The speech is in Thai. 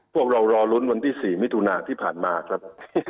พวกเรารอลุ้นวันที่๔มิถุนาที่ผ่านมาครับ